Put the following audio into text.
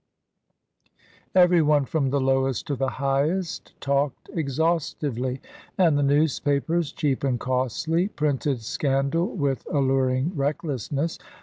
Every one, from the lowest to the highest, talked exhaustively, and the newspapers, cheap and costly, printed scandal with alluring recklessness.